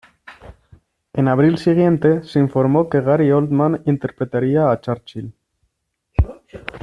En abril siguiente, se informó que Gary Oldman interpretaría a Churchill.